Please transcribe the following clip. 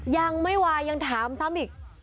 ยังไม่วายยังถามซ้ำอีก